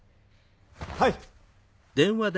はい！